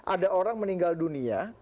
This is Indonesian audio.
ada orang meninggal dunia